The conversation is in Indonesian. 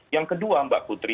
yang kedua mbak putri